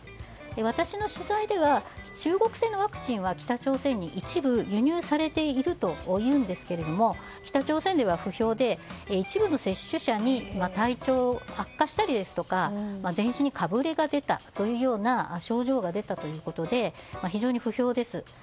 私の取材では中国製のワクチンは北朝鮮に一部輸入されているというんですけれども北朝鮮では不評で一部の接種者に体調悪化したりですとか全身にかぶれが出たというような症状が出たということで非常に不評です。